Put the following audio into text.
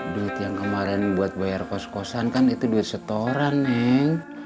duit yang kemarin buat bayar kos kosan kan itu duit setoran nih